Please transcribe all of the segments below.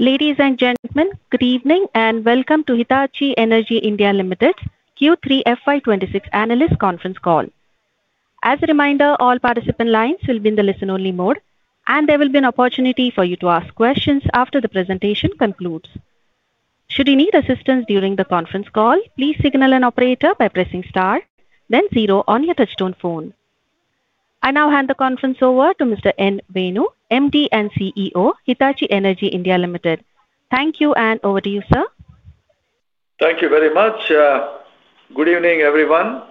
Ladies and gentlemen, good evening, and Welcome to Hitachi Energy India Limited Q3 FY 2026 Analyst Conference Call. As a reminder, all participant lines will be in the listen-only mode, and there will be an opportunity for you to ask questions after the presentation concludes. Should you need assistance during the conference call, please signal an operator by pressing star, then zero on your touchtone phone. I now hand the conference over to Mr. N. Venu, MD and CEO, Hitachi Energy India Limited. Thank you, and over to you, sir. Thank you very much. Good evening, everyone.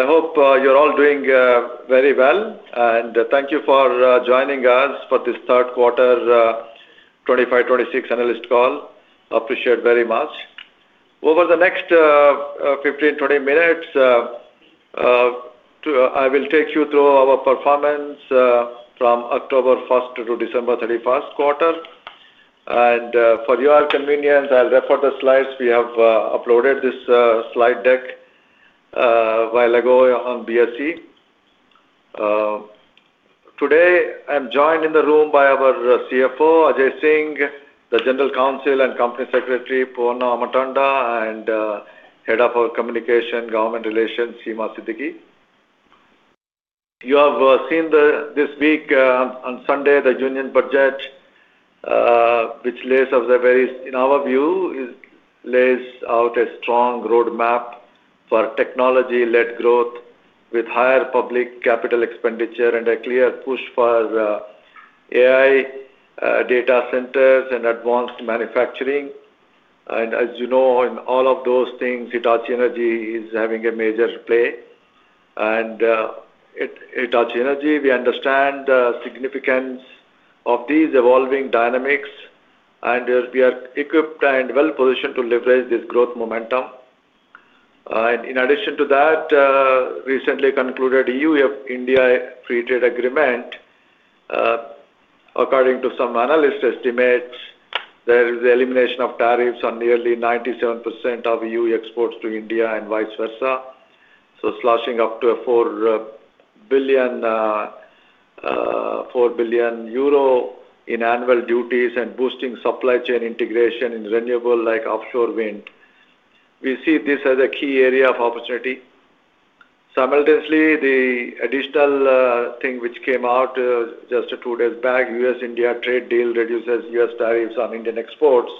I hope you're all doing very well, and thank you for joining us for this third quarter 2025-2026 analyst call. Appreciate very much. Over the next 15-20 minutes, I will take you through our performance from October 1 to December 31 quarter. For your convenience, I'll refer the slides. We have uploaded this slide deck a while ago on BSE. Today, I'm joined in the room by our CFO, Ajay Singh, the General Counsel and Company Secretary, Poovanna Ammatanda, and Head of our Communications and Government Relations, Seema Siddiqui. You have seen this week on Sunday, the Union Budget, which lays out the very In our view, it lays out a strong roadmap for technology-led growth with higher public capital expenditure and a clear push for AI, data centers, and advanced manufacturing. As you know, in all of those things, Hitachi Energy is having a major play. At Hitachi Energy, we understand the significance of these evolving dynamics, and we are equipped and well-positioned to leverage this growth momentum. In addition to that, recently concluded EU-India Free Trade Agreement, according to some analyst estimates, there is elimination of tariffs on nearly 97% of EU exports to India and vice versa. So slashing up to EUR 4 billion in annual duties and boosting supply chain integration in renewables, like offshore wind. We see this as a key area of opportunity. Simultaneously, the additional thing which came out just 2 days back, US-India trade deal reduces US tariffs on Indian exports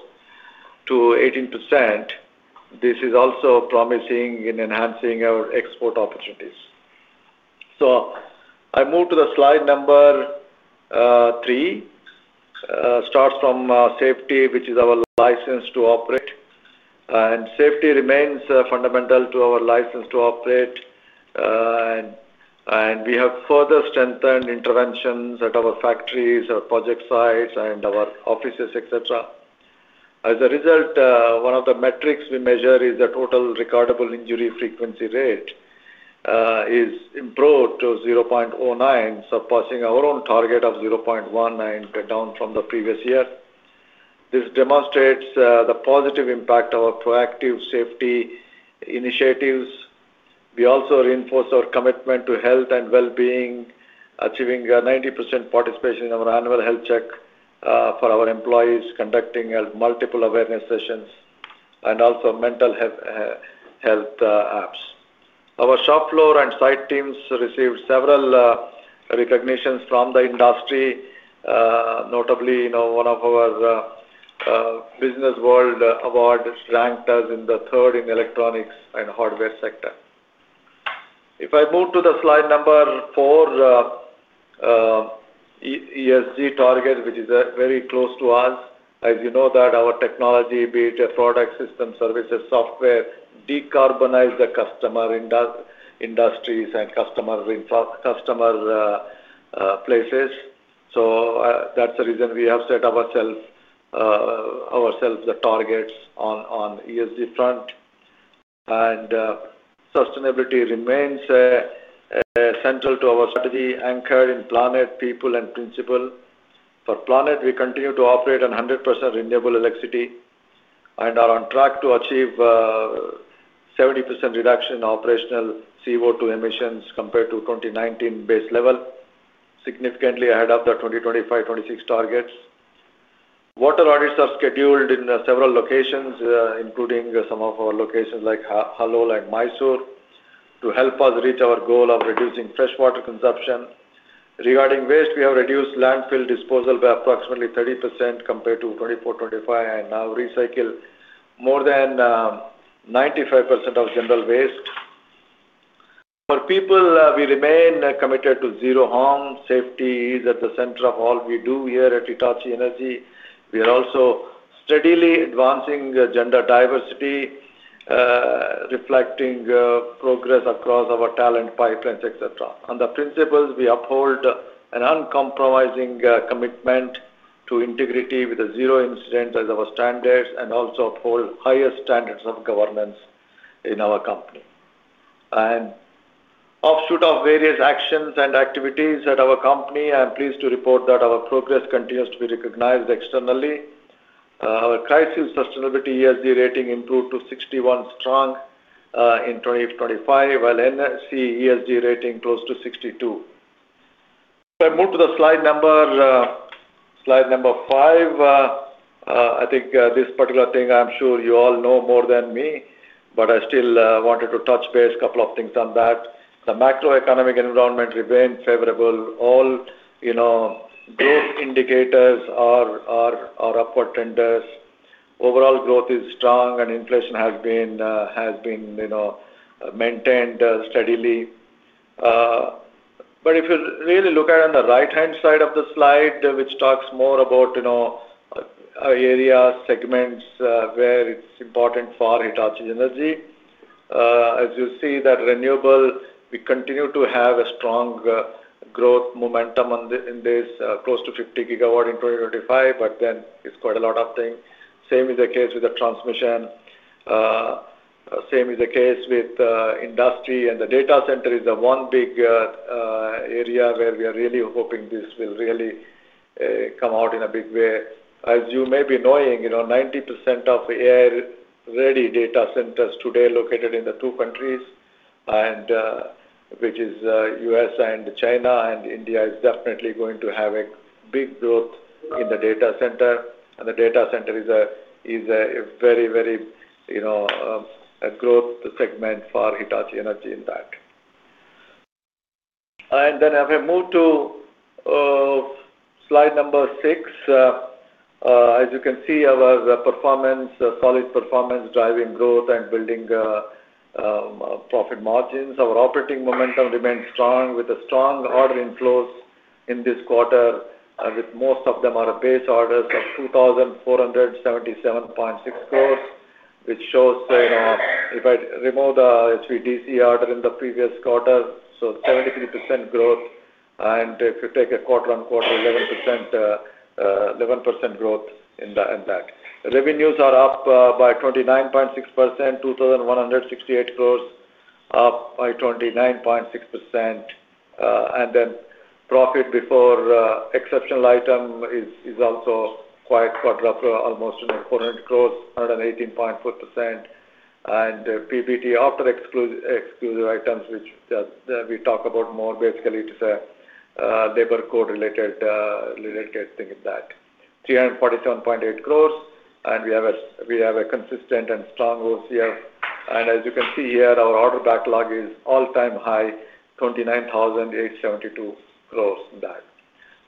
to 18%. This is also promising in enhancing our export opportunities. So I move to the slide number 3. Starts from safety, which is our license to operate, and safety remains fundamental to our license to operate. And we have further strengthened interventions at our factories, our project sites, and our offices, et cetera. As a result, one of the metrics we measure is the total recordable injury frequency rate is improved to 0.09, surpassing our own target of 0.19, down from the previous year. This demonstrates the positive impact of our proactive safety initiatives. We also reinforce our commitment to health and well-being, achieving 90% participation in our annual health check for our employees, conducting multiple awareness sessions and also mental health apps. Our shop floor and site teams received several recognitions from the industry, notably, you know, one of our Businessworld Awards ranked us in the third in electronics and hardware sector. If I move to the slide number 4, ESG target, which is very close to us. As you know that our technology, be it a product, system, services, software, decarbonize the customer industries and customer places. So, that's the reason we have set ourselves the targets on ESG front. And, sustainability remains central to our strategy, anchored in planet, people, and principle. For planet, we continue to operate on 100% renewable electricity and are on track to achieve 70% reduction in operational CO2 emissions compared to 2019 base level, significantly ahead of the 2025, 2026 targets. Water audits are scheduled in several locations, including some of our locations like Halol and Mysore, to help us reach our goal of reducing freshwater consumption. Regarding waste, we have reduced landfill disposal by approximately 30% compared to 2024, 2025, and now recycle more than 95% of general waste. For people, we remain committed to zero harm. Safety is at the center of all we do here at Hitachi Energy. We are also steadily advancing gender diversity, reflecting progress across our talent pipelines, et cetera. On the principles, we uphold an uncompromising commitment to integrity with a zero incident as our standards, and also uphold higher standards of governance in our company. An offshoot of various actions and activities at our company, I'm pleased to report that our progress continues to be recognized externally. Our CRISIL Sustainability ESG rating improved to 61 strong in 2025, while NSE ESG rating close to 62. If I move to slide number 5, I think this particular thing, I'm sure you all know more than me, but I still wanted to touch base a couple of things on that. The macroeconomic environment remained favorable. All, you know, growth indicators are upward trends. Overall growth is strong, and inflation has been, you know, maintained steadily. But if you really look at on the right-hand side of the slide, which talks more about, you know, areas, segments, where it's important for Hitachi Energy. As you see that renewable, we continue to have a strong, growth momentum on the in this, close to 50 GW in 2025, but then it's quite a lot of things. Same is the case with the transmission. Same is the case with, industry, and the data center is the one big, area where we are really hoping this will really, come out in a big way. As you may be knowing, you know, 90% of AI-ready data centers today are located in the two countries, and, which is, U.S. and China, and India is definitely going to have a big growth in the data center, and the data center is a, is a very, very, you know, a growth segment for Hitachi Energy in that. And then as we move to, slide number 6, as you can see, our performance, solid performance, driving growth and building, profit margins. Our operating momentum remains strong, with a strong ordering close in this quarter, and with most of them are base orders of 2,477.6 crore, which shows, you know, if I remove the HVDC order in the previous quarter, so 73% growth, and if you take a quarter-on-quarter, 11%, 11% growth in the impact. Revenues are up by 29.6%, 2,168 crore, up by 29.6%. And then profit before exceptional item is also quite quadruple, almost 400 crore, 118.4%. PBT after excluded items, which just we talk about more, basically, it is a labor code related related thing in that, 347.8 crores, and we have a we have a consistent and strong growth here. And as you can see here, our order backlog is all-time high, 29,872 crores in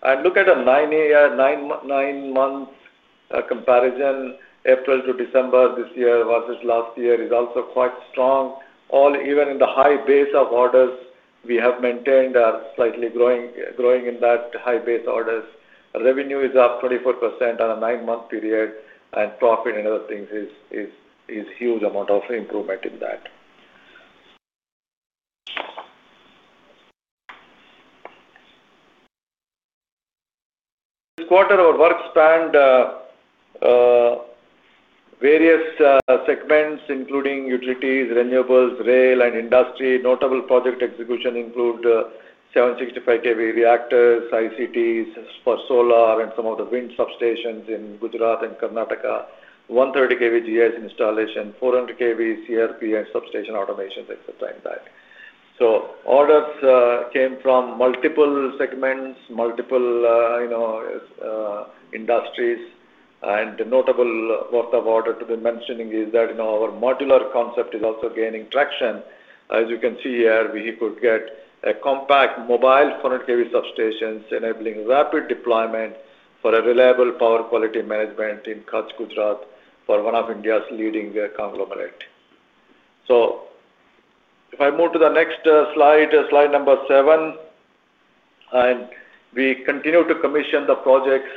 that. And look at a nine-month comparison, April to December this year versus last year, is also quite strong. All even in the high base of orders, we have maintained a slightly growing, growing in that high base orders. Revenue is up 24% on a nine-month period, and profit and other things is, is, is huge amount of improvement in that. This quarter, our work spanned various segments, including utilities, renewables, rail, and industry. Notable project execution include seven sixty-five kV reactors, ICTs for solar and some of the wind substations in Gujarat and Karnataka, 130 kV GIS installation, 400 kV CRP and substation automations at the time back. So orders came from multiple segments, multiple, you know, industries. And the notable worth of order to be mentioning is that, you know, our modular concept is also gaining traction. As you can see here, we could get a compact mobile 400 kV substations, enabling rapid deployment for a reliable power quality management in Kutch, Gujarat, for one of India's leading conglomerate. So if I move to the next slide, slide number 7, and we continue to commission the projects,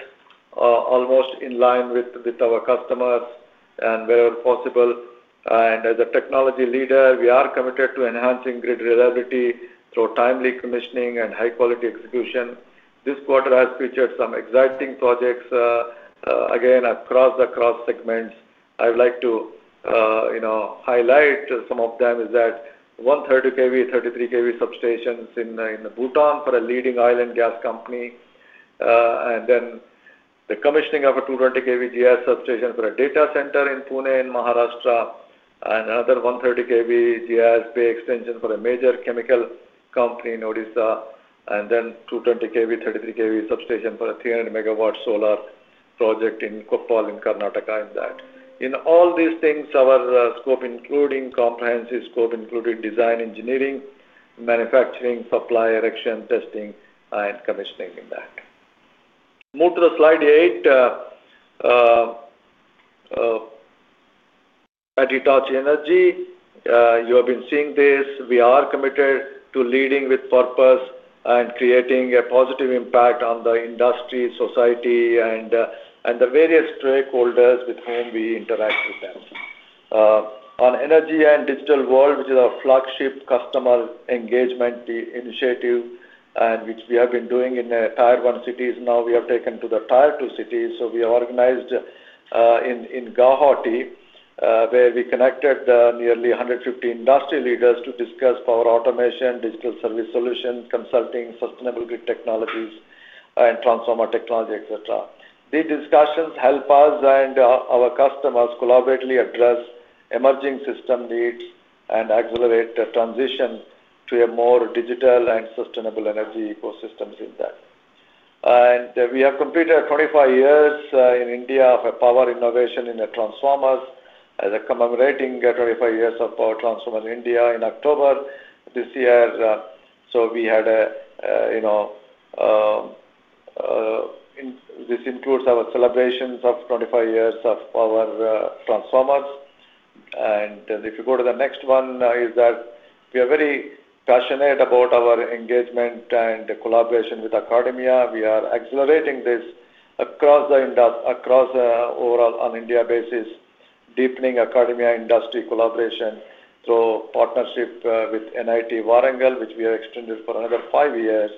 almost in line with, with our customers and wherever possible. As a technology leader, we are committed to enhancing grid reliability through timely commissioning and high-quality execution. This quarter has featured some exciting projects, again, across segments. I would like to, you know, highlight some of them is that 130 kV, 33 kV substations in Bhutan for a leading oil and gas company, and then the commissioning of a 200 kV GIS substation for a data center in Pune, in Maharashtra, and another 130 kV GIS bay extension for a major chemical company in Odisha, and then 220 kV, 33 kV substation for a 300 MW solar project in Koppal, in Karnataka, in that. In all these things, our scope, including comprehensive scope, including design, engineering, manufacturing, supply, erection, testing, and commissioning in that. Move to slide 8. At Hitachi Energy, you have been seeing this, we are committed to leading with purpose and creating a positive impact on the industry, society, and the various stakeholders with whom we interact with them. On Energy and Digital World, which is our flagship customer engagement initiative, and which we have been doing in the tier-one cities, now we have taken to the tier-two cities. So we organized in Guwahati, where we connected nearly 150 industry leaders to discuss power automation, digital service solutions, consulting, sustainable grid technologies and transformer technology, et cetera. These discussions help us and our customers collaboratively address emerging system needs and accelerate the transition to a more digital and sustainable energy ecosystems in that. We have completed 25 years in India of power innovation in the transformers. As a commemorating 25 years of power transformers in India in October this year. So we had a, you know, this includes our celebrations of 25 years of power, transformers. And if you go to the next one, is that we are very passionate about our engagement and collaboration with academia. We are accelerating this across the across, overall on India basis, deepening academia industry collaboration through partnership, with NIT Warangal, which we have extended for another 5 years.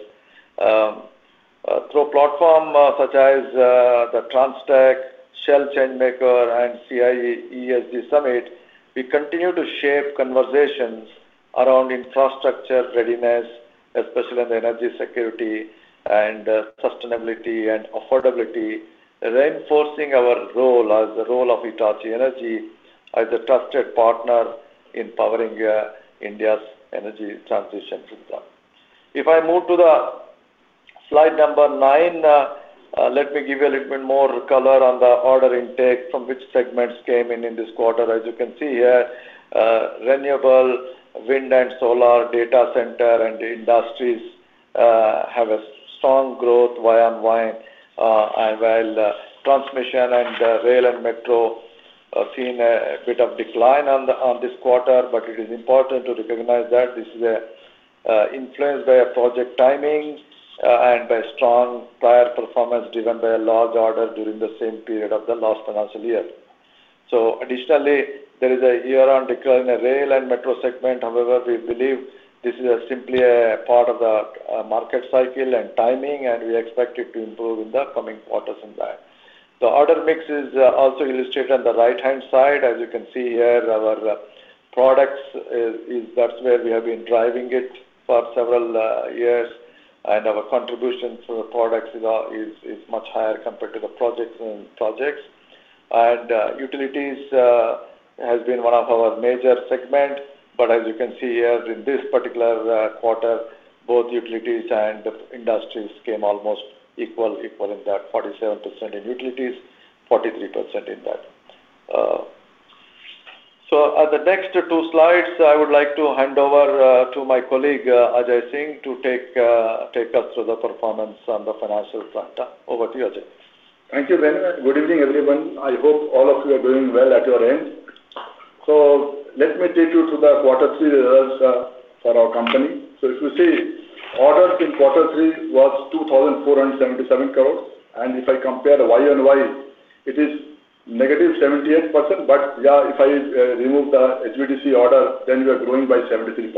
Through platform, such as, the TransTech, Shell Changemaker, and CII ESG Summit, we continue to shape conversations around infrastructure readiness, especially on the energy security and, sustainability and affordability, reinforcing our role as the role of Hitachi Energy as a trusted partner in powering, India's energy transition system. If I move to the slide number 9, let me give you a little bit more color on the order intake from which segments came in, in this quarter. As you can see here, renewable, wind and solar, data center, and industries, have a strong growth year-on-year. And while the transmission and the rail and metro, seen a bit of decline on the, on this quarter, but it is important to recognize that this is, influenced by a project timing, and by strong prior performance driven by a large order during the same period of the last financial year. So additionally, there is a year-on-year decline in the rail and metro segment. However, we believe this is simply a part of the, market cycle and timing, and we expect it to improve in the coming quarters in that. The order mix is also illustrated on the right-hand side. As you can see here, our products is, is that's where we have been driving it for several years, and our contribution to the products is, is, is much higher compared to the projects and projects. Utilities has been one of our major segment, but as you can see here, in this particular quarter, both utilities and the industries came almost equal, equal in that 47% in utilities, 43% in that. So on the next 2 slides, I would like to hand over to my colleague, Ajay Singh, to take, take us through the performance on the financial front. Over to you, Ajay. Thank you, Venu, and good evening, everyone. I hope all of you are doing well at your end. So let me take you through the quarter three results for our company. So if you see, orders in quarter three was 2,477 crore, and if I compare year-on-year, it is -78%. But yeah, if I remove the HVDC order, then we are growing by 73%.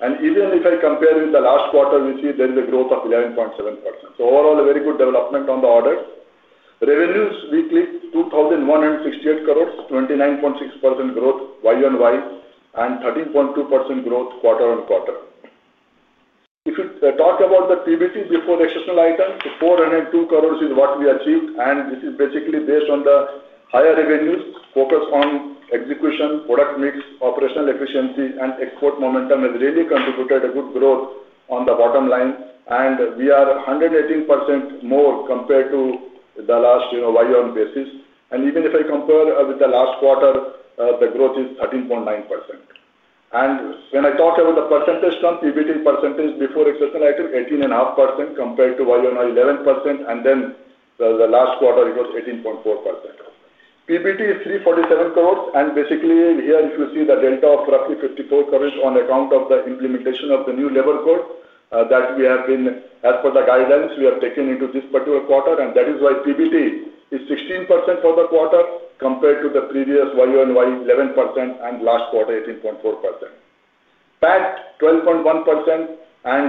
And even if I compare with the last quarter, we see there is a growth of 11.7%. So overall, a very good development on the order. Revenues, we clicked INR 2,168 crore, 29.6% growth year-on-year, and 13.2% growth quarter-on-quarter. If you talk about the PBT before exceptional item, so 402 crore is what we achieved, and this is basically based on the higher revenues, focus on execution, product mix, operational efficiency, and export momentum has really contributed a good growth on the bottom line. And we are 118% more compared to the last, you know, year-on-year basis. And even if I compare with the last quarter, the growth is 13.9%. And when I talk about the percentage on PBT percentage before exceptional item, 18.5% compared to year-on-year, 11%, and then the last quarter, it was 18.4%. PBT is 347 crore, and basically here, if you see the delta of roughly 54 crore on account of the implementation of the new labor code, that we have been, as per the guidelines, we have taken into this particular quarter, and that is why PBT is 16% for the quarter compared to the previous year-over-year, 11%, and last quarter, 18.4%. PAT, 12.1%, and,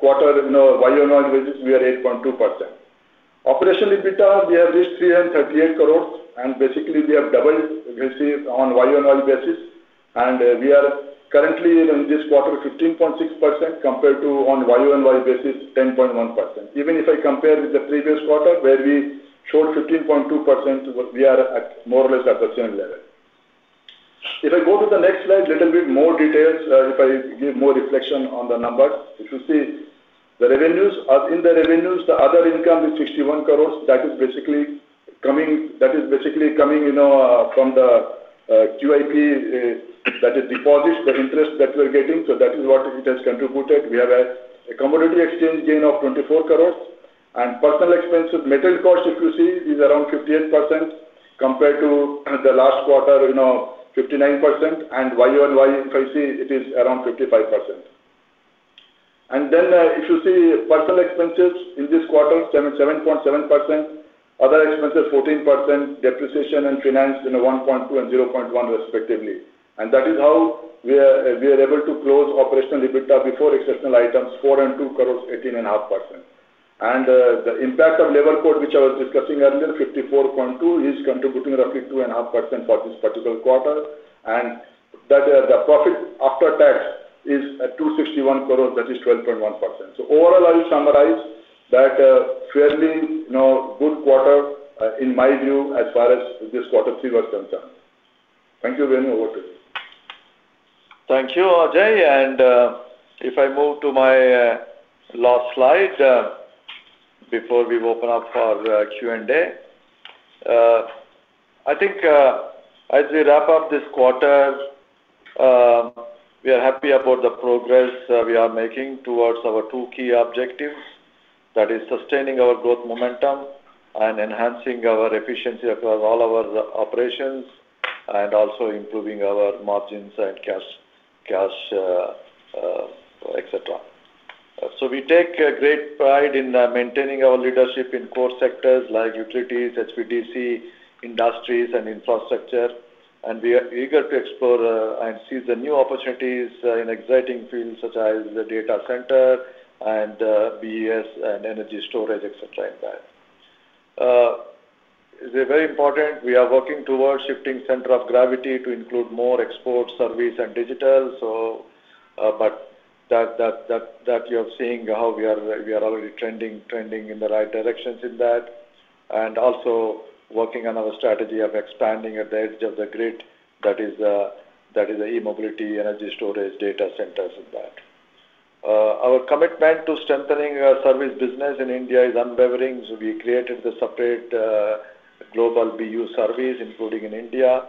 quarter, you know, year-over-year basis, we are 8.2%. Operational EBITDA, we have reached 338 crore, and basically we have doubled received on year-over-year basis. And we are currently in this quarter, 15.6%, compared to on year-over-year basis, 10.1%. Even if I compare with the previous quarter, where we showed 15.2%, we are at more or less at the same level. If I go to the next slide, little bit more details, if I give more reflection on the numbers. If you see the revenues, in the revenues, the other income is 61 crores. That is basically coming, that is basically coming, you know, from the, QIP, that is deposits, the interest that we are getting. So that is what it has contributed. We have a commodity exchange gain of 24 crores. And personal expense with metal cost, if you see, is around 15%, compared to the last quarter, you know, 59%. And year-on-year, if I see, it is around 55%. Then, if you see personal expenses in this quarter, 7.7%; other expenses, 14%; depreciation and finance, you know, 1.2 and 0.1, respectively. And that is how we are able to close operational EBITDA before exceptional items, 42 crore, 18.5%. And the impact of labor code, which I was discussing earlier, 54.2 crore, is contributing roughly 2.5% for this particular quarter. And that, the profit after tax is at 261 crore, that is 12.1%. So overall, I will summarize that a fairly, you know, good quarter, in my view, as far as this quarter three was concerned. Thank you very, and over to you. Thank you, Ajay. And, if I move to my, last slide, before we open up for Q&A. I think, as we wrap up this quarter, we are happy about the progress, we are making towards our two key objectives. That is sustaining our growth momentum and enhancing our efficiency across all our operations, and also improving our margins and cash, et cetera. So we take great pride in, maintaining our leadership in core sectors like utilities, HVDC, industries, and infrastructure. And we are eager to explore, and see the new opportunities, in exciting fields such as the data center and, BESS and energy storage, et cetera, like that. It's very important, we are working towards shifting center of gravity to include more export, service, and digital. So, but that you are seeing how we are already trending in the right directions in that, and also working on our strategy of expanding at the edge of the grid. That is the e-mobility, energy storage, data centers, and that. Our commitment to strengthening our service business in India is unwavering. So we created the separate global BU service, including in India,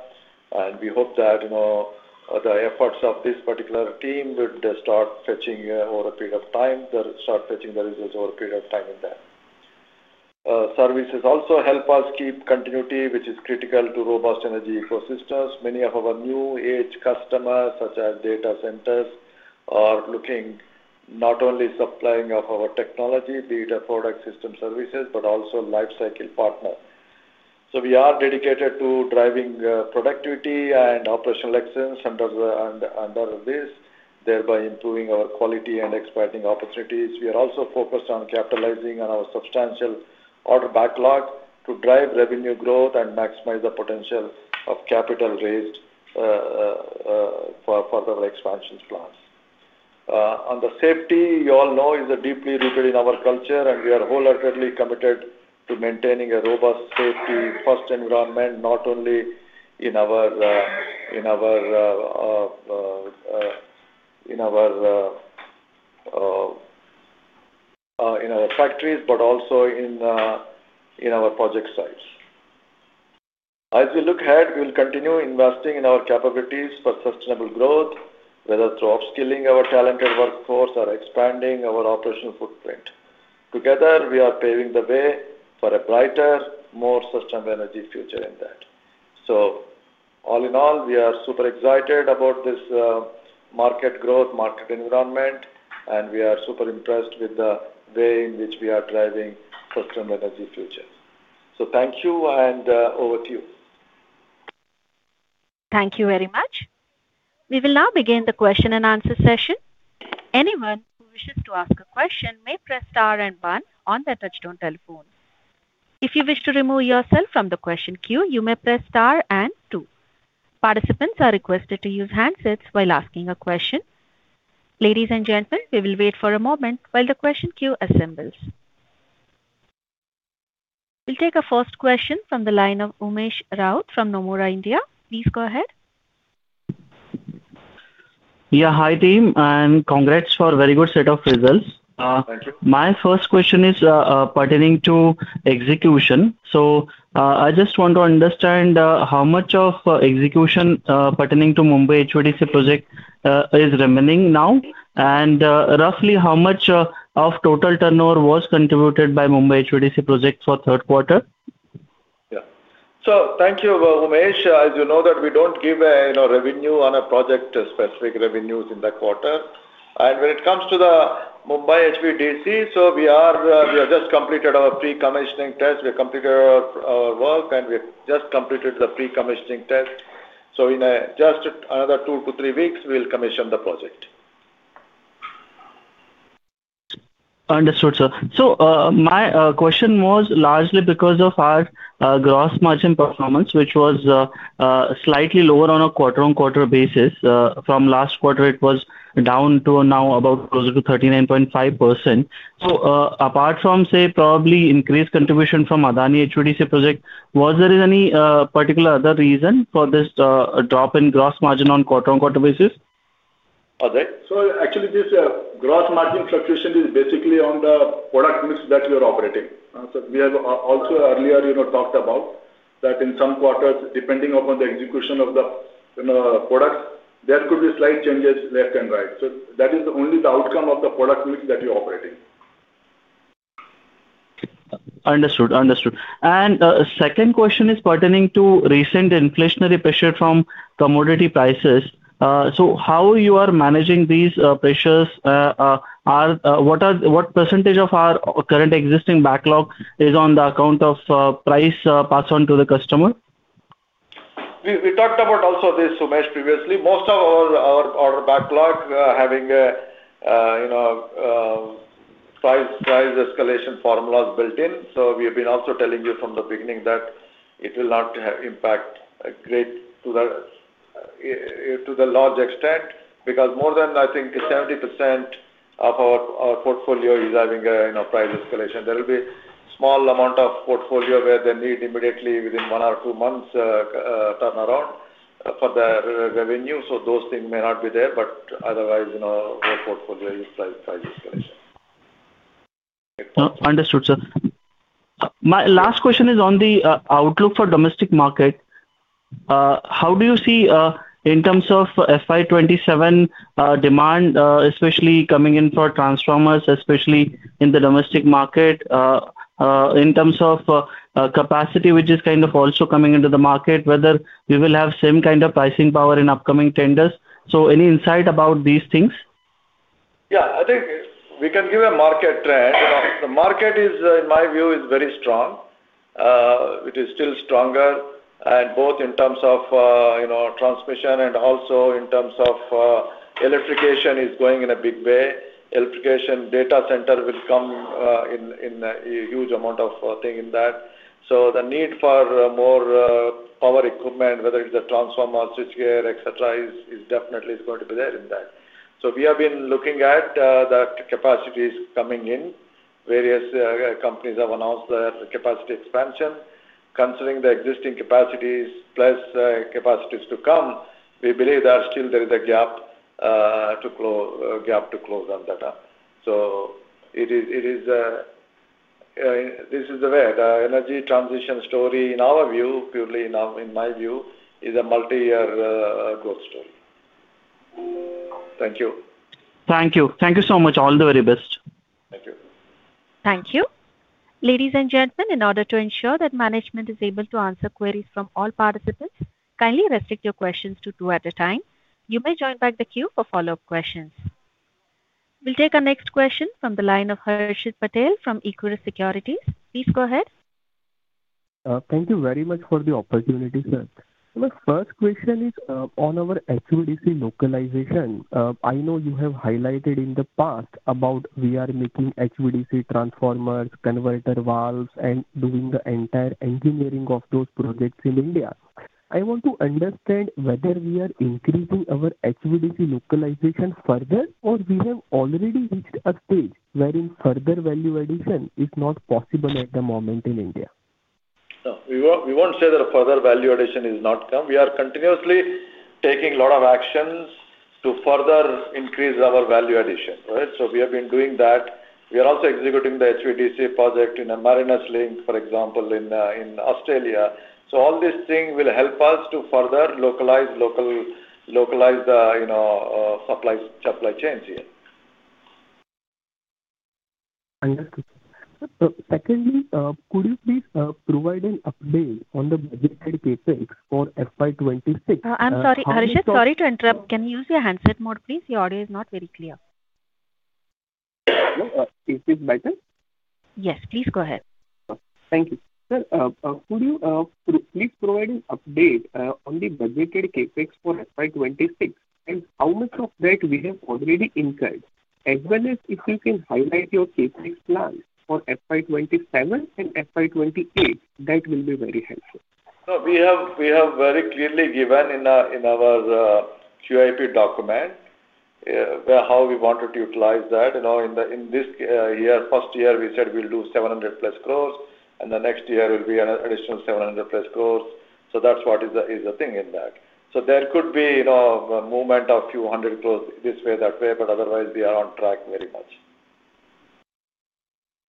and we hope that, you know, the efforts of this particular team would start fetching over a period of time, they'll start fetching the results over a period of time in that. Services also help us keep continuity, which is critical to robust energy ecosystems. Many of our new age customers, such as data centers, are looking not only supplying of our technology, be it a product system services, but also life cycle partner. So we are dedicated to driving productivity and operational excellence under this, thereby improving our quality and expanding opportunities. We are also focused on capitalizing on our substantial order backlog to drive revenue growth and maximize the potential of capital raised for our expansion plans. On the safety, you all know, is deeply rooted in our culture, and we are wholeheartedly committed to maintaining a robust safety first environment, not only in our factories, but also in our project sites. As we look ahead, we will continue investing in our capabilities for sustainable growth, whether through upskilling our talented workforce or expanding our operational footprint. Together, we are paving the way for a brighter, more sustainable energy future in that. So all in all, we are super excited about this, market growth, market environment, and we are super impressed with the way in which we are driving sustainable energy future. So thank you, and, over to you. Thank you very much. We will now begin the question and answer session. Anyone who wishes to ask a question may press star and one on their touchtone telephone. If you wish to remove yourself from the question queue, you may press star and two. Participants are requested to use handsets while asking a question. Ladies and gentlemen, we will wait for a moment while the question queue assembles. We'll take a first question from the line of Umesh Raut from Nomura, India. Please go ahead. Yeah. Hi, team, and congrats for a very good set of results. Thank you. My first question is pertaining to execution. So, I just want to understand how much of execution pertaining to Mumbai HVDC project is remaining now, and roughly how much of total turnover was contributed by Mumbai HVDC project for third quarter? Yeah. So thank you, Umesh. As you know, that we don't give a, you know, revenue on a project, specific revenues in that quarter. And when it comes to the Mumbai HVDC, so we are, we have just completed our pre-commissioning test. We have completed our, our work, and we have just completed the pre-commissioning test. So in just another 2-3 weeks, we will commission the project. Understood, sir. So, my question was largely because of our gross margin performance, which was slightly lower on a quarter-on-quarter basis. From last quarter, it was down to now about closer to 39.5%. So, apart from, say, probably increased contribution from Adani HVDC project, was there any particular other reason for this drop in gross margin on quarter-on-quarter basis? Ajay, so actually this, gross margin fluctuation is basically on the product mix that we are operating. So we have also earlier, you know, talked about that in some quarters, depending upon the execution of the, you know, product, there could be slight changes left and right. So that is only the outcome of the product mix that you operate in. Understood. Understood. And second question is pertaining to recent inflationary pressure from commodity prices. So how you are managing these pressures? What percentage of our current existing backlog is on the account of price passed on to the customer? We talked about also this, Umesh, previously. Most of our backlog having a you know price escalation formulas built in. So we have been also telling you from the beginning that it will not have impact great to the large extent, because more than, I think, 70% of our portfolio is having you know price escalation. There will be small amount of portfolio where they need immediately, within one or two months turnaround for the revenue. So those things may not be there, but otherwise, you know, our portfolio is price escalation. Understood, sir. My last question is on the outlook for domestic market. How do you see in terms of FY 27 demand, especially coming in for transformers, especially in the domestic market, in terms of capacity, which is kind of also coming into the market, whether we will have same kind of pricing power in upcoming tenders? So any insight about these things? Yeah, I think we can give a market trend. You know, the market is, in my view, is very strong. It is still stronger, and both in terms of, you know, transmission and also in terms of, electrification is going in a big way. Electrification data center will come, in a huge amount of, thing in that. So the need for, more, power equipment, whether it's a transformer, switchgear, et cetera, is, is definitely is going to be there in that. So we have been looking at, the capacities coming in. Various, companies have announced the capacity expansion. Considering the existing capacities, plus, capacities to come, we believe that still there is a gap, gap to close on that up. So it is, it is, this is the way. The energy transition story, in our view, purely in our, in my view, is a multiyear growth story. Thank you. Thank you. Thank you so much. All the very best. Thank you. Thank you. Ladies and gentlemen, in order to ensure that management is able to answer queries from all participants, kindly restrict your questions to two at a time. You may join back the queue for follow-up questions. We'll take our next question from the line of Harshit Patel from Equirus Securities. Please go ahead. Thank you very much for the opportunity, sir. My first question is on our HVDC localization. I know you have highlighted in the past about we are making HVDC transformers, converter valves, and doing the entire engineering of those projects in India. I want to understand whether we are increasing our HVDC localization further, or we have already reached a stage wherein further value addition is not possible at the moment in India? No, we won't, we won't say that a further value addition is not come. We are continuously taking a lot of actions to further increase our value addition, right? So we have been doing that. We are also executing the HVDC project in the Marinus Link, for example, in Australia. So all these things will help us to further localize local, localize the, you know, supply chains here. Understood. So secondly, could you please provide an update on the budgeted CapEx for FY 2026? I'm sorry, Harshit, sorry to interrupt. Can you use your handset mode, please? Your audio is not very clear. Hello, is this better? Yes, please go ahead. Thank you. Sir, could you please provide an update on the budgeted CapEx for FY 2026, and how much of that we have already incurred, as well as if you can highlight your CapEx plans for FY 27 and FY 28, that will be very helpful. So we have, we have very clearly given in, in our QIP document, where how we wanted to utilize that. You know, in the, in this, year, first year, we said we'll do 700+ crores, and the next year will be an additional 700+ crores. So that's what is the, is the thing in that. So there could be, you know, a movement of 200 crores this way, that way, but otherwise we are on track very much.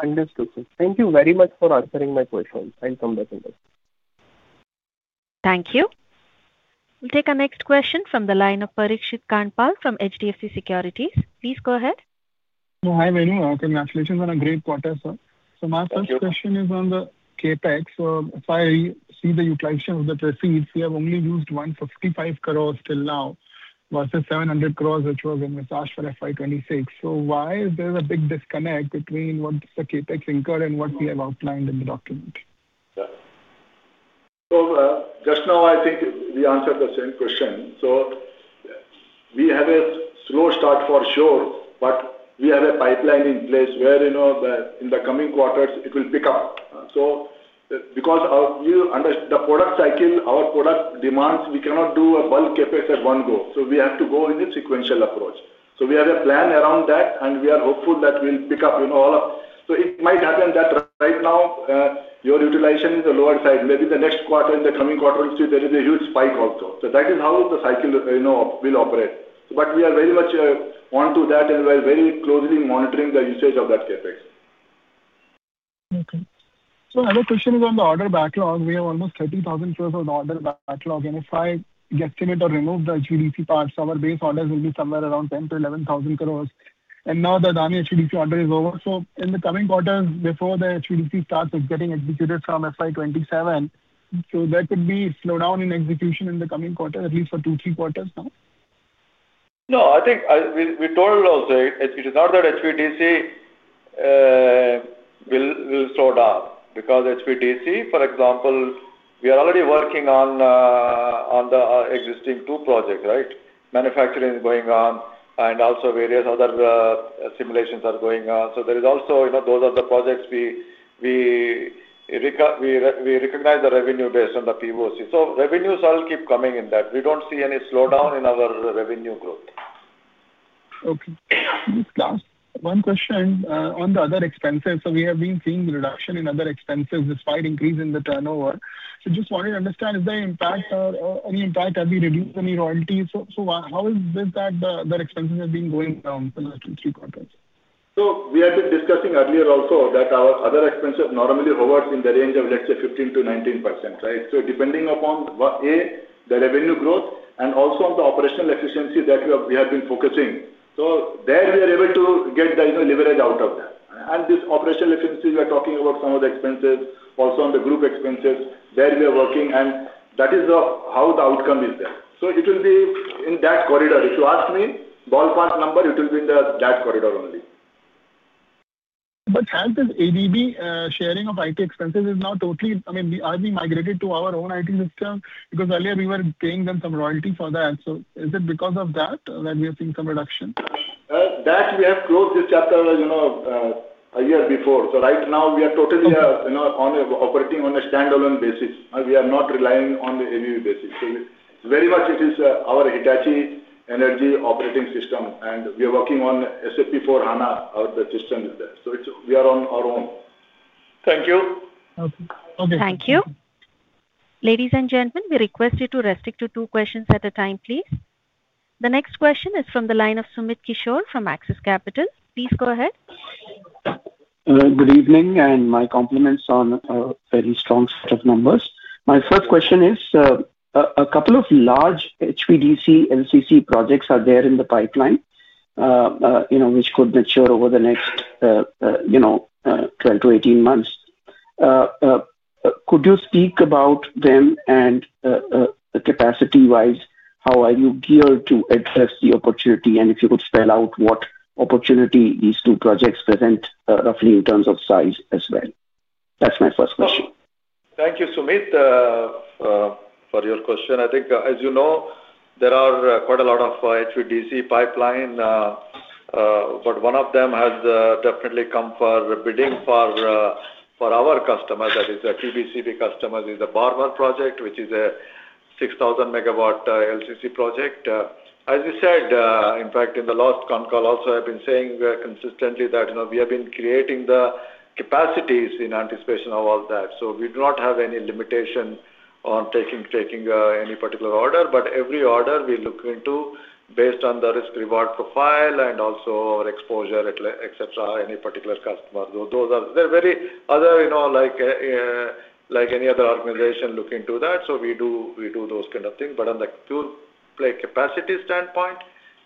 Understood, sir. Thank you very much for answering my question. I'll come back in touch. Thank you. We'll take our next question from the line of Parikshit Kandpal from HDFC Securities. Please go ahead. Hi, Venu. Congratulations on a great quarter, sir. Thank you. My first question is on the CapEx. If I see the utilization of the proceeds, we have only used 155 crore till now, versus 700 crore, which was in the cash for FY 2026. Why is there a big disconnect between what the CapEx incurred and what we have outlined in the document? Yeah. So, just now, I think we answered the same question. So we have a slow start for sure, but we have a pipeline in place where, you know, in the coming quarters, it will pick up. So because of the product cycle, our product demands, we cannot do a bulk CapEx at one go, so we have to go in a sequential approach. So we have a plan around that, and we are hopeful that we'll pick up, you know, all of so it might happen that right now, your utilization is on the lower side. Maybe the next quarter, in the coming quarter, we see there is a huge spike also. So that is how the cycle, you know, will operate. But we are very much on to that, and we're very closely monitoring the usage of that CapEx. Okay. So another question is on the order backlog. We have almost 30,000 crore of order backlog, and if I guesstimate or remove the HVDC parts, our base orders will be somewhere around 10,000-11,000 crore. And now the Adani HVDC order is over. So in the coming quarters, before the HVDC starts getting executed from FY 2027, so there could be a slowdown in execution in the coming quarter, at least for two, three quarters now? No, I think, we told also, it is not that HVDC will slow down. Because HVDC, for example, we are already working on the existing two projects, right? Manufacturing is going on, and also various other simulations are going on. So there is also, you know, those are the projects we recognize the revenue based on the POC. So revenues all keep coming in that. We don't see any slowdown in our revenue growth. Okay. One question on the other expenses. So we have been seeing the reduction in other expenses despite increase in the turnover. So just wanted to understand, is there impact or any impact, have you reduced any royalties? So how is this that the expenses have been going down for the last two, three quarters? So we have been discussing earlier also that our other expenses normally hovers in the range of, let's say, 15%-19%, right? So depending upon what, A, the revenue growth and also on the operational efficiency that we have, we have been focusing. So there we are able to get the, you know, leverage out of that. And this operational efficiency, we are talking about some of the expenses, also on the group expenses, where we are working, and that is the, how the outcome is there. So it will be in that corridor. If you ask me, ballpark number, it will be in the, that corridor only. But has this ABB sharing of IT expenses now totally I mean, we are we migrated to our own IT system? Because earlier we were paying them some royalty for that, so is it because of that that we are seeing some reduction? That we have closed this chapter, you know, a year before. So right now, we are totally, you know, operating on a standalone basis, and we are not relying on the ABB basis. So it's very much it is our Hitachi Energy operating system, and we are working on SAP S/4HANA, our system is there. So it's we are on our own. Thank you. Okay. Thank you. Ladies and gentlemen, we request you to restrict to two questions at a time, please. The next question is from the line of Sumit Kishore from Axis Capital. Please go ahead. Good evening, and my compliments on a very strong set of numbers. My first question is, a couple of large HVDC LCC projects are there in the pipeline, you know, which could mature over the next, you know, 12-18 months. Could you speak about them and, capacity-wise, how are you geared to address the opportunity? And if you could spell out what opportunity these two projects present, roughly in terms of size as well. That's my first question. Thank you, Sumit, for your question. I think, as you know, there are quite a lot of HVDC pipeline, but one of them has definitely come for bidding for our customer, that is a TBCB customer, is the Bhadla project, which is a 6,000 MW LCC project. As you said, in the last con call also, I've been saying consistently that, you know, we have been creating the capacities in anticipation of all that, so we do not have any limitation on taking any particular order. But every order we look into based on the risk reward profile and also our exposure, et cetera, any particular customer. Those are, they're very other, you know, like, like any other organization look into that. So we do those kind of things, but on the pure play capacity standpoint,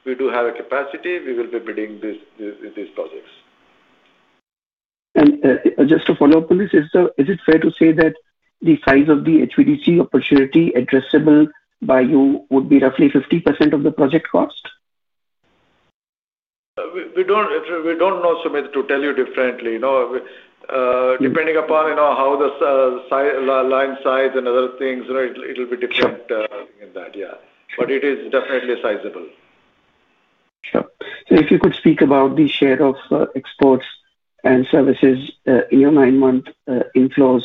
we do have a capacity. We will be bidding these projects. Just to follow up on this, is it fair to say that the size of the HVDC opportunity addressable by you would be roughly 50% of the project cost? We don't know, Sumit, to tell you differently. You know, depending upon, you know, how the line size and other things, you know, it'll be different in that. Yeah. But it is definitely sizable. Sure. So if you could speak about the share of exports and services in your nine-month inflows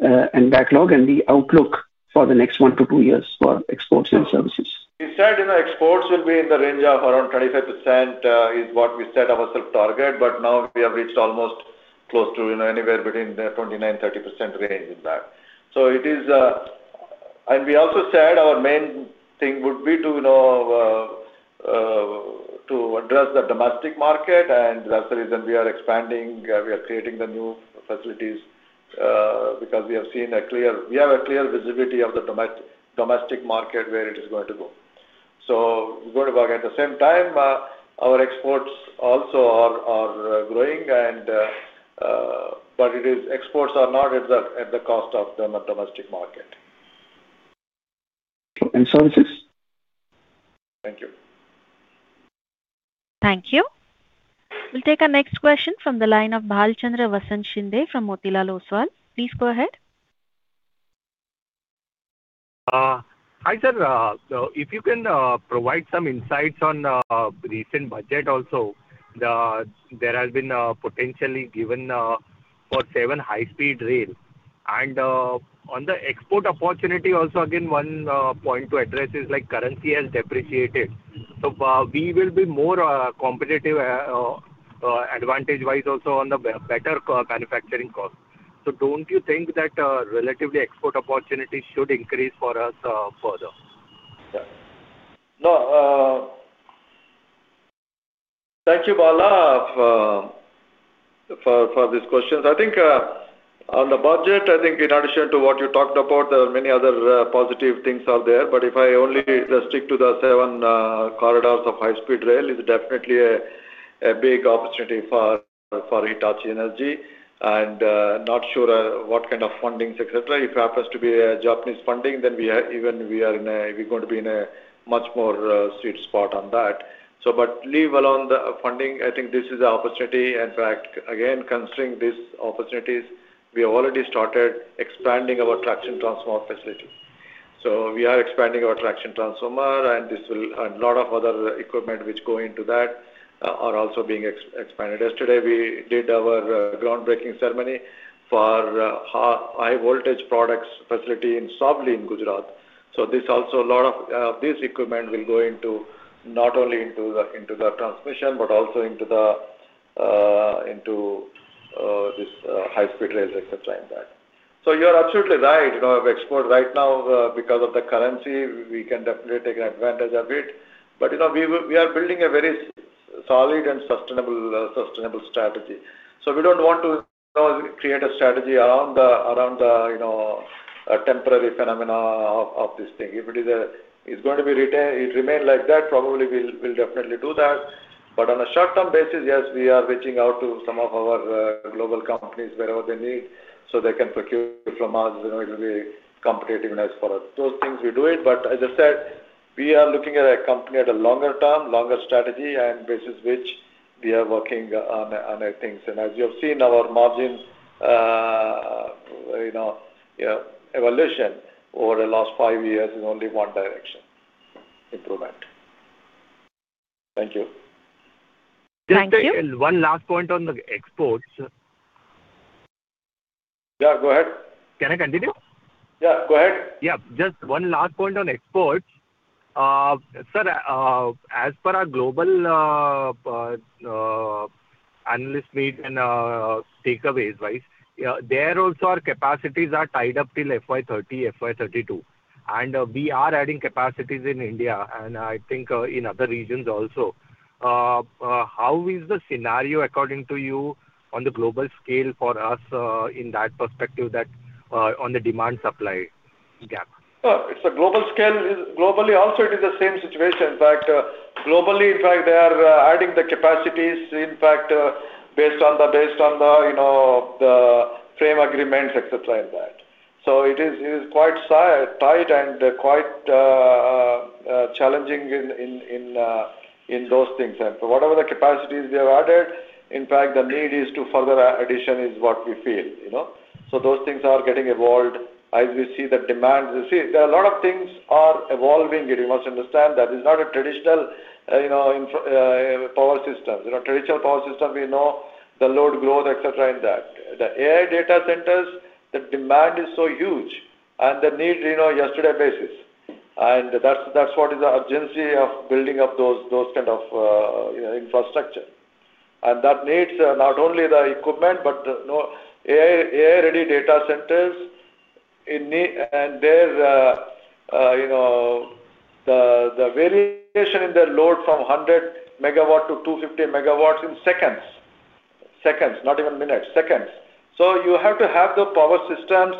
and backlog, and the outlook for the next 1-2 years for exports and services? We said, you know, exports will be in the range of around 25%, is what we set ourself target, but now we have reached almost close to, you know, anywhere between the 29%-30% range in that. So it is. And we also said our main thing would be to, you know, to address the domestic market, and that's the reason we are expanding, we are creating the new facilities, because we have seen a clear visibility of the domestic market, where it is going to go. So we're going to work at the same time, our exports also are growing and, but it is exports are not at the cost of the domestic market. And services? Thank you. Thank you. We'll take our next question from the line of Bhalchandra Shinde from Motilal Oswal. Please go ahead. Hi, sir. So if you can provide some insights on recent budget also, there has been potentially given for seven high-speed rail. And on the export opportunity, also, again, one point to address is like currency has depreciated. So we will be more competitive advantage-wise, also on the better co-manufacturing cost. So don't you think that relatively export opportunities should increase for us further? Yeah. No, thank you, Bhalchandra, for these questions. I think on the budget, I think in addition to what you talked about, there are many other positive things are there, but if I only restrict to the seven corridors of high-speed rail, is definitely a big opportunity for Hitachi Energy. And not sure what kind of fundings, et cetera. If it happens to be a Japanese funding, then we are, even we are in a, we're going to be in a much more sweet spot on that. So but leave along the funding, I think this is an opportunity. In fact, again, considering these opportunities, we have already started expanding our traction transformer facility. So we are expanding our traction transformer, and this will, and a lot of other equipment which go into that are also being expanded. Yesterday, we did our groundbreaking ceremony for high voltage products facility in Savli, in Gujarat. So this also a lot of this equipment will go into, not only into the transmission, but also into this high speed rail, et cetera, like that. So you are absolutely right. You know, on export right now, because of the currency, we can definitely take an advantage of it. But, you know, we are building a very solid and sustainable strategy. So we don't want to, you know, create a strategy around the, around the, you know, temporary phenomena of this thing. If it is, it's going to remain like that, probably we'll definitely do that. But on a short-term basis, yes, we are reaching out to some of our, global companies wherever they need, so they can procure from us. You know, it will be competitiveness for us. Those things we do it, but as I said, we are looking at a company at a longer term, longer strategy, and basis which we are working on, on things. And as you have seen, our margins, you know, yeah, evolution over the last five years is only one direction: improvement. Thank you. Thank you. Just one last point on the exports. Yeah, go ahead. Can I continue? Yeah, go ahead. Yeah, just one last point on exports. Sir, as per our global analyst meet and takeaways, right? Yeah, there also our capacities are tied up till FY 2030, FY 2032, and we are adding capacities in India, and I think in other regions also. How is the scenario, according to you, on the global scale for us in that perspective, that on the demand-supply gap? Oh, it's a global scale. Globally, also, it is the same situation. In fact, globally, in fact, they are adding the capacities, in fact, based on the, based on the, you know, the frame agreements, et cetera, like that. So it is, it is quite tight and quite challenging in, in, in, in those things. And so whatever the capacities they have added, in fact, the need is to further addition is what we feel, you know? So those things are getting evolved as we see the demand. You see, there are a lot of things are evolving, and you must understand that it's not a traditional, you know, infrastructure power system. You know, traditional power system, we know the load growth, et cetera, in that. The AI data centers, the demand is so huge, and the need, you know, yesterday basis. And that's what is the urgency of building up those kind of infrastructure. And that needs not only the equipment but, you know, AI-ready data centers it need. And there's you know, the variation in the load from 100 MW-250 MW in seconds. Seconds, not even minutes, seconds. So you have to have the power systems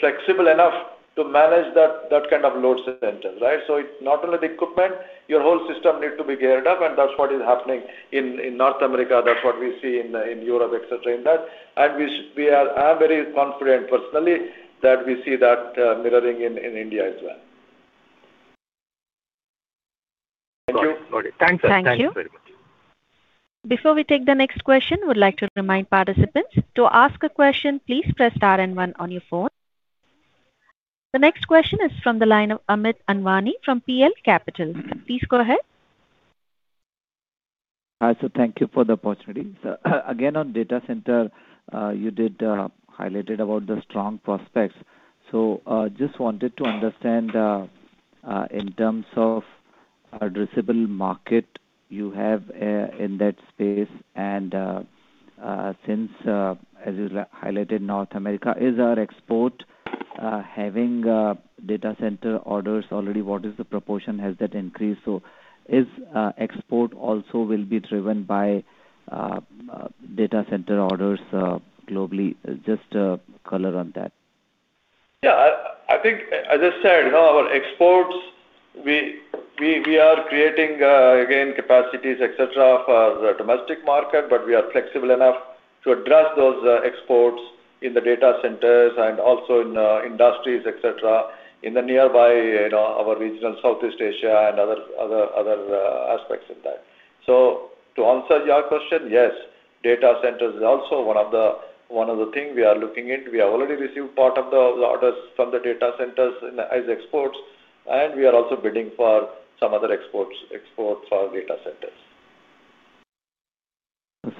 flexible enough to manage that kind of load center, right? So it's not only the equipment, your whole system need to be geared up, and that's what is happening in North America. That's what we see in Europe, et cetera, in that. And I'm very confident personally that we see that mirroring in India as well. Thank you. Got it. Thanks, sir. Thank you. Thank you very much. Before we take the next question, I would like to remind participants to ask a question, please press star and one on your phone. The next question is from the line of Amit Anwani from PL Capital. Please go ahead. Hi, sir. Thank you for the opportunity. Again, on data center, you did highlighted about the strong prospects. So, just wanted to understand, in terms of addressable market you have, in that space, and, since, as you highlighted, North America is our export, having data center orders already? What is the proportion? Has that increased? So is export also will be driven by data center orders globally? Just color on that. Yeah, I think, as I said, you know, our exports, we are creating again capacities, et cetera, for the domestic market, but we are flexible enough to address those exports in the data centers and also in industries, et cetera, in the nearby, you know, our regional Southeast Asia and other aspects of that. So to answer your question, yes, data centers is also one of the thing we are looking into. We have already received part of the orders from the data centers, as exports, and we are also bidding for some other exports for data centers.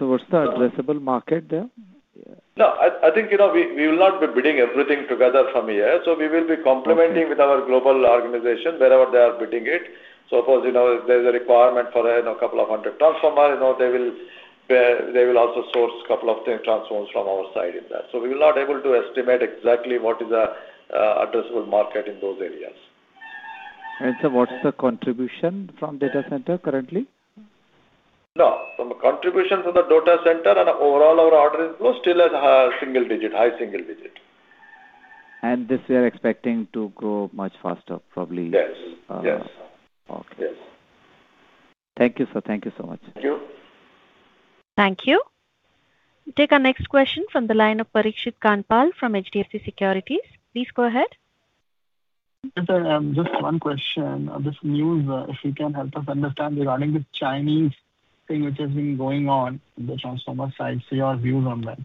What's the addressable market there? No, I, I think, you know, we, we will not be bidding everything together from here, so we will be complementing with our global organization wherever they are bidding it. Suppose you know, if there's a requirement for, you know, a couple of hundred transformer, you know, they will, they will also source a couple of thing transformers from our side in that. So we will not able to estimate exactly what is the, addressable market in those areas. Sir, what's the contribution from data center currently? No, from contribution from the data center and overall our order inflow still at single digit, high single digit. This we are expecting to grow much faster, probably? Yes. Yes. Okay. Yes. Thank you, sir. Thank you so much. Thank you. Thank you. We take our next question from the line of Parikshit Kandpal from HDFC Securities. Please go ahead. Yes, sir, just one question. This news, if you can help us understand regarding the Chinese thing which has been going on in the transformer side, so your views on that?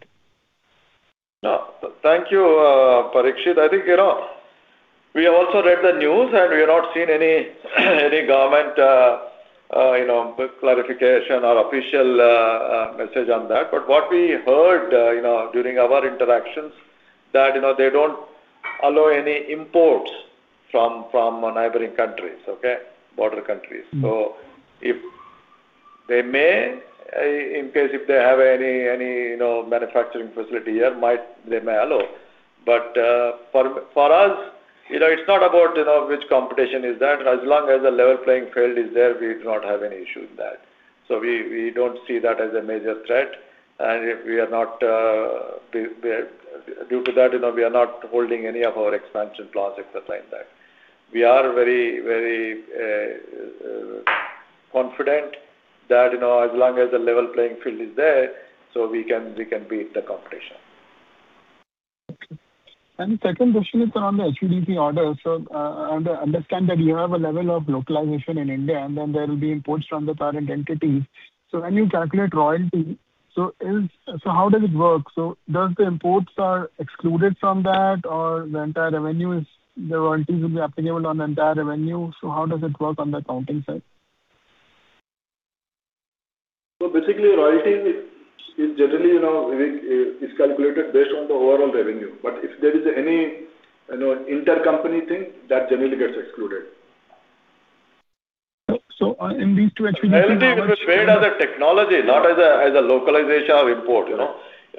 No, thank you, Parikshit. I think, you know, we have also read the news, and we have not seen any government clarification or official message on that. But what we heard, you know, during our interactions, that, you know, they don't allow any imports from neighboring countries, okay? Border countries. So if they may, in case if they have any, you know, manufacturing facility here, they may allow. But, for us, you know, it's not about, you know, which competition is there. As long as a level playing field is there, we do not have any issue with that. So we don't see that as a major threat. And if we are not, due to that, you know, we are not holding any of our expansion plans, et cetera, like that. We are very, very confident that, you know, as long as a level playing field is there, so we can beat the competition. Okay. And the second question is on the HVDC order. So, understand that you have a level of localization in India, and then there will be imports from the parent entity. So when you calculate royalty, so how does it work? So does the imports are excluded from that, or the entire revenue is, the royalties will be applicable on the entire revenue? So how does it work on the accounting side? So basically, royalty is generally, you know, calculated based on the overall revenue. But if there is any, you know, intercompany thing, that generally gets excluded. So in these two HVDC Royalty is paid as a technology, not as a, as a localization of import, you know?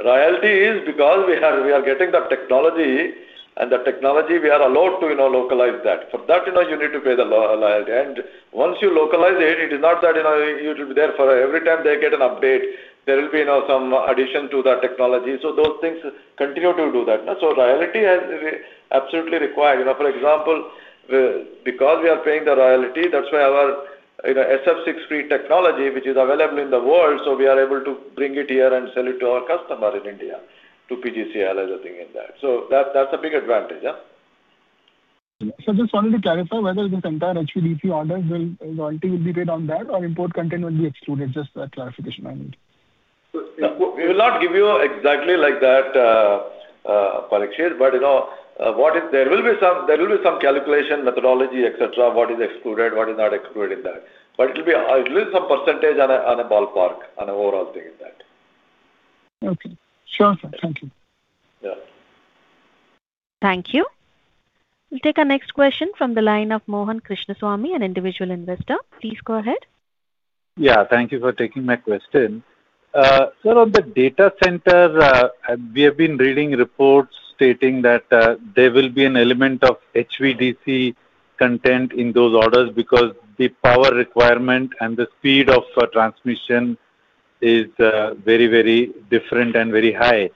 Royalty is because we are, we are getting the technology, and the technology we are allowed to, you know, localize that. For that, you know, you need to pay the royalty. And once you localize it, it is not that, you know, it will be there forever. Every time they get an update, there will be, you know, some addition to the technology. So those things continue to do that. So royalty is absolutely required. You know, for example, because we are paying the royalty, that's why our, you know, SF6 technology, which is available in the world, so we are able to bring it here and sell it to our customer in India, to PGCIL, everything in that. So that, that's a big advantage, yeah? So just wanted to clarify whether this entire HVDC order will royalty will be paid on that, or import content will be excluded. Just a clarification I need. We will not give you exactly like that, Parikshit, but, you know, what is there will be some calculation, methodology, et cetera, what is excluded, what is not excluded in that. But it will be at least some percentage on a ballpark, on an overall thing in that. Okay. Sure, sir. Thank you. Yeah. Thank you. We'll take our next question from the line of Mohan Krishnaswamy, an individual investor. Please go ahead. Yeah, thank you for taking my question. Sir, on the data center, we have been reading reports stating that there will be an element of HVDC content in those orders because the power requirement and the speed of transmission is very, very different and very high.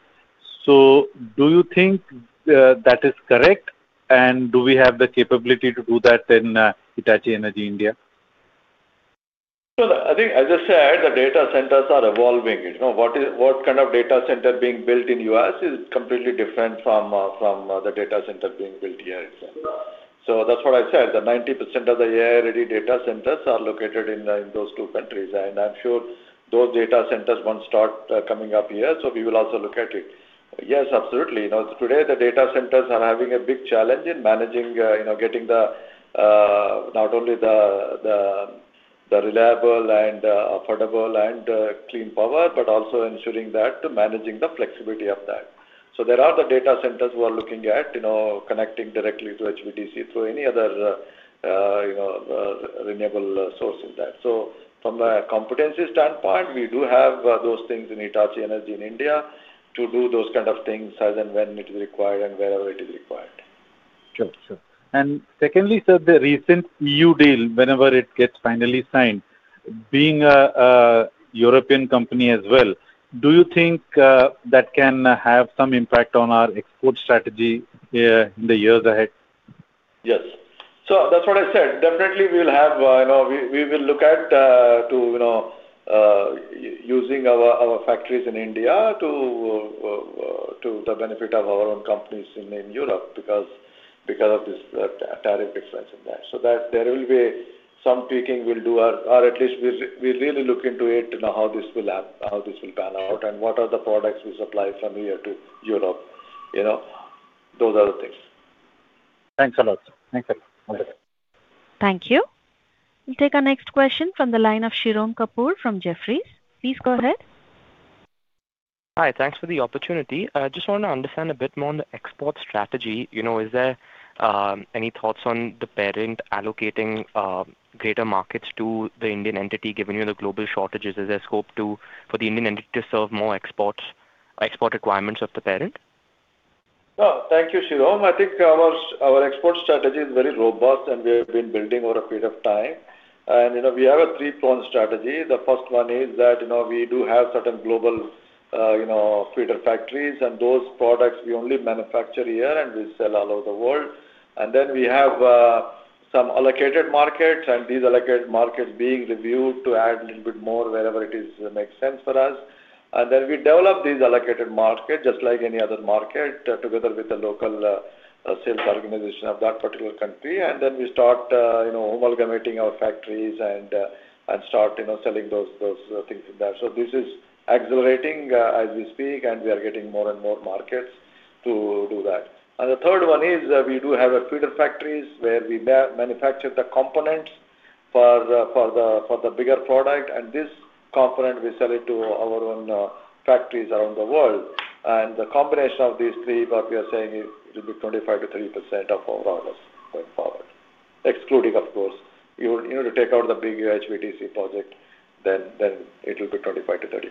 So do you think that is correct? And do we have the capability to do that in Hitachi Energy India? So I think, as I said, the data centers are evolving. You know, what is, what kind of data center being built in U.S. is completely different from, from, the data center being built here itself. So that's what I said, that 90% of the AI ready data centers are located in, in those two countries, and I'm sure those data centers won't start, coming up here, so we will also look at it. Yes, absolutely. You know, today, the data centers are having a big challenge in managing, you know, getting the, not only the, the, the reliable and, affordable and, clean power, but also ensuring that managing the flexibility of that. So there are the data centers who are looking at, you know, connecting directly to HVDC through any other, you know, renewable source of that. So from a competency standpoint, we do have those things in Hitachi Energy in India to do those kind of things as and when it is required and wherever it is required. Sure. Sure. Secondly, sir, the recent new deal, whenever it gets finally signed, being a European company as well, do you think that can have some impact on our export strategy in the years ahead? Yes. So that's what I said. Definitely, we will have, you know, we will look at to you know using our factories in India to the benefit of our own companies in Europe, because of this tariff difference in that. So that there will be some tweaking we'll do, or at least we really look into it to know how this will app-- how this will pan out, and what are the products we supply from here to Europe, you know? Those are the things. Thanks a lot, sir. Thanks a lot. Okay. Thank you. We'll take our next question from the line of Shirom Kapur from Jefferies. Please go ahead. Hi, thanks for the opportunity. I just want to understand a bit more on the export strategy. You know, is there any thoughts on the parent allocating greater markets to the Indian entity, given, you know, the global shortages? Is there scope to, for the Indian entity to serve more exports, export requirements of the parent? No, thank you, Shirom. I think our export strategy is very robust, and we have been building over a period of time. And, you know, we have a three-pronged strategy. The first one is that, you know, we do have certain global, you know, feeder factories, and those products we only manufacture here, and we sell all over the world. And then we have some allocated markets, and these allocated markets being reviewed to add a little bit more wherever it is makes sense for us. And then we develop these allocated markets, just like any other market, together with the local sales organization of that particular country. And then we start, you know, amalgamating our factories and start, you know, selling those things in there. So this is accelerating as we speak, and we are getting more and more markets to do that. And the third one is that we do have feeder factories where we manufacture the components for the bigger product, and this component we sell it to our own factories around the world. And the combination of these three, what we are saying is it will be 25%-30% of our orders going forward. Excluding, of course, you need to take out the big HVDC project, then it will be 25%-30%.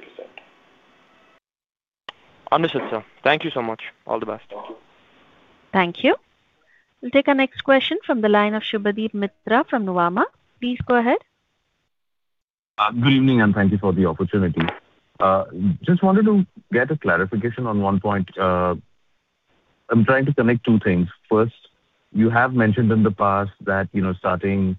Understood, sir. Thank you so much. All the best. Thank you. Thank you. We'll take our next question from the line of Subhadip Mitra from Nuvama. Please go ahead. Good evening, and thank you for the opportunity. Just wanted to get a clarification on one point. I'm trying to connect two things. First, you have mentioned in the past that, you know, starting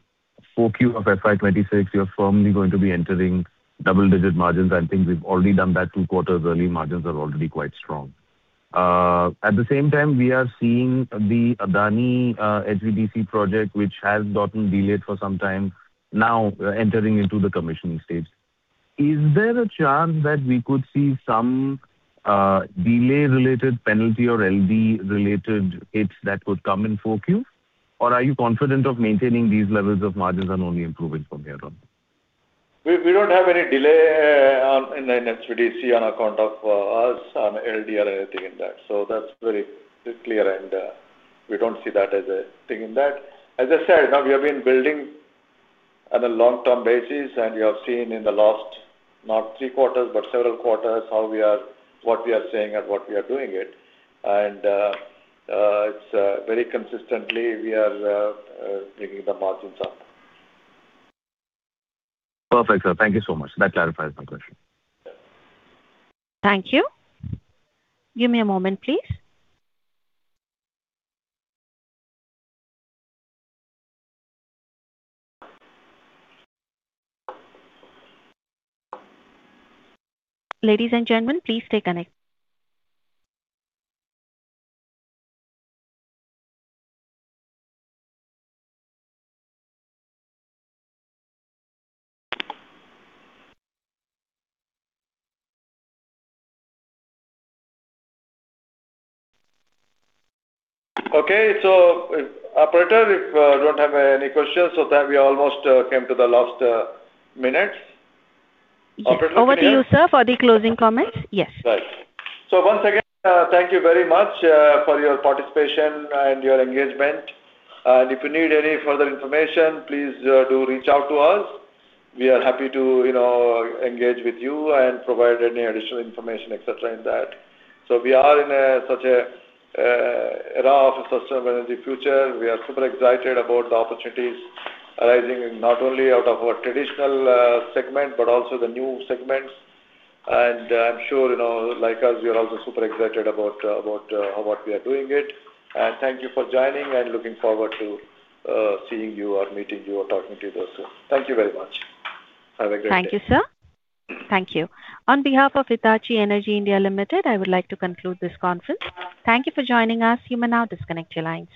Q4 of FY 2026, you're firmly going to be entering double-digit margins. I think we've already done that 2 quarters early, margins are already quite strong. At the same time, we are seeing the Adani HVDC project, which has gotten delayed for some time, now entering into the commissioning stage. Is there a chance that we could see some delay-related penalty or LD-related hits that would come in Q4? Or are you confident of maintaining these levels of margins and only improving from here on? We don't have any delay on an HVDC on account of us on LD or anything in that. So that's very clear, and we don't see that as a thing in that. As I said, now, we have been building on a long-term basis, and you have seen in the last, not three quarters, but several quarters, how we are what we are saying and what we are doing it. And it's very consistently, we are bringing the margins up. Perfect, sir. Thank you so much. That clarifies my question. Thank you. Give me a moment, please. Ladies and gentlemen, please stay connected. Okay, so, operator, if don't have any questions, so that we almost came to the last minutes. Operator Over to you, sir, for the closing comments. Yes. Right. So once again, thank you very much, for your participation and your engagement. And if you need any further information, please, do reach out to us. We are happy to, you know, engage with you and provide any additional information, et cetera, in that. So we are in a such a, era of sustainable energy future. We are super excited about the opportunities arising not only out of our traditional, segment, but also the new segments. And, I'm sure you know, like us, you're also super excited about, what we are doing it. And thank you for joining, and looking forward to, seeing you or meeting you or talking to you also. Thank you very much. Have a great day. Thank you, sir. Thank you. On behalf of Hitachi Energy India Limited, I would like to conclude this conference. Thank you for joining us. You may now disconnect your lines.